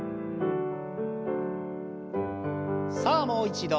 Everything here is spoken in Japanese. さあもう一度。